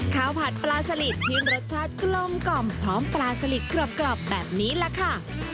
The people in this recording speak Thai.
ผัดปลาสลิดที่รสชาติกลมกล่อมพร้อมปลาสลิดกรอบแบบนี้ล่ะค่ะ